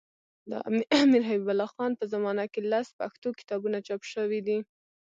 د امیرحبیب الله خان په زمانه کي لس پښتو کتابونه چاپ سوي دي.